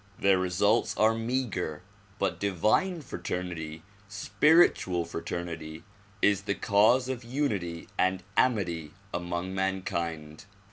Their results are meager but divine fraternity, spiritual fraternity is the cause of unity and amity among mankind.